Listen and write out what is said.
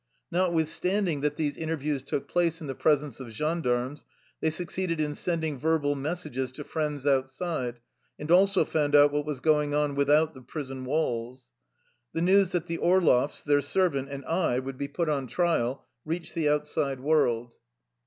Notwithstanding that these interviews took place in the presence of gendarmes, they succeeded in sending verbal messages to friends outside, and also found out what was going on without the prison walls. The news that the Orloffs, their servant, and I would be put on trial reached the outside world.